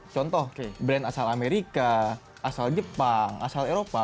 contoh brand asal amerika asal jepang asal eropa